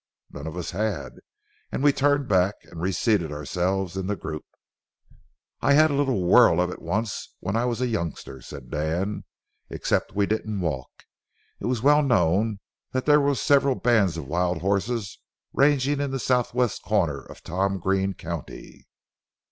None of us had, and we turned back and reseated ourselves in the group. "I had a little whirl of it once when I was a youngster," said Dan, "except we didn't walk. It was well known that there were several bands of wild horses ranging in the southwest corner of Tom Green County.